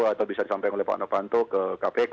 atau bisa disampaikan oleh pak novanto ke kpk